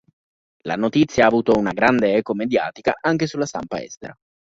La notizia ha avuto una grande eco mediatica anche sulla stampa estera.